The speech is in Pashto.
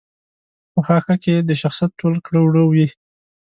په خاکه کې د شخصیت ټول کړه وړه وي.